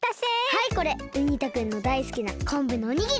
はいこれウニ太くんのだいすきなこんぶのおにぎり。